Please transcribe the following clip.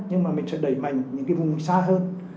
nhưng mà mình sẽ đẩy mạnh những cái vùng xa hơn